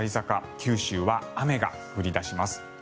九州は雨が降り出します。